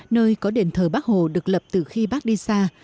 nơi có đền thờ bắc hồ được lập từ khi bác đi xa